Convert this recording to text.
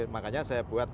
makanya saya buat